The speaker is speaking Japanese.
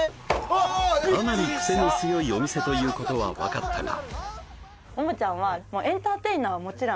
かなりクセの強いお店ということは分かったがあ